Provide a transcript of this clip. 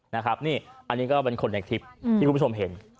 นะครับนี่อันนี้ก็เป็นคนในคลิปที่คุณผู้ชมเห็น